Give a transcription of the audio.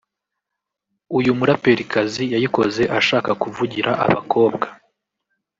uyu muraperikazi yayikoze ashaka kuvugira abakobwa